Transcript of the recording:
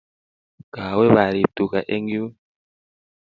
Kawe paarip tuga eng' yun